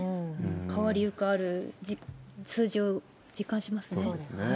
変わりゆくある数字を実感しますね。